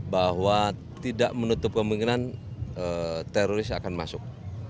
bahwa tidak menutup kemungkinan teroris akan masuk